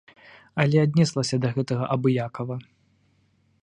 Але аднеслася да гэтага абыякава.